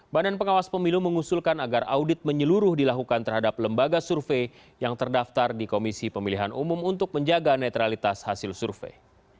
badan pengawas pemilu mengusulkan agar audit menyeluruh dilakukan terhadap lembaga survei yang terdaftar di komisi pemilihan umum untuk menjaga netralitas hasil survei